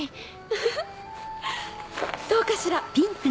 フフフどうかしら？